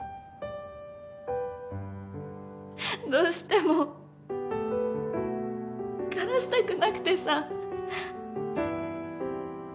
どうしても枯らしたくなくてさ。